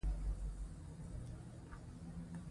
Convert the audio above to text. يـو هـيواد هـغه وخـت د نـابـودۍ خـواتـه ځـي